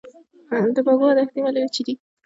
د بکوا دښتې ولې وچې دي؟